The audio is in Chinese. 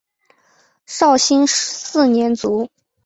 绍兴四年卒。